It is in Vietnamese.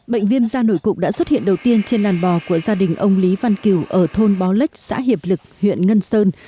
bệnh viêm da nổi cục đã xuất hiện đầu tiên trên đàn bò của gia đình ông lý văn kiều ở thôn bó lách xã hiệp lực huyện ngân sơn